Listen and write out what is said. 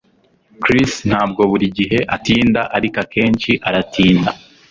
Chris ntabwo buri gihe atinda ariko akenshi aratinda